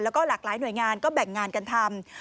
แล้วก็หลากหลายหน่วยงานก็แบ่งงานกันทำ